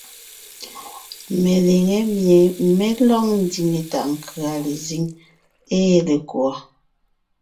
Meliŋé mie mé lɔg ndiŋe taʼ nkʉ̀a lezíŋ ée lekùɔ.